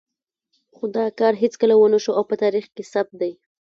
خو دا کار هېڅکله ونه شو او په تاریخ کې ثبت دی.